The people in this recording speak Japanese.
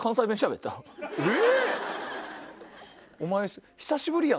え？